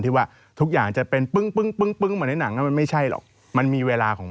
ที่ว่าทุกอย่างจะเป็นปึ้งมาในหนัง